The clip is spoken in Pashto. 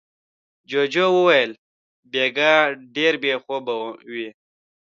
جوجو وويل: بېګا ډېر بې خوبه وې.